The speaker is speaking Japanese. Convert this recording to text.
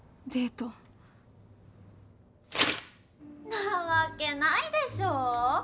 なわけないでしょ。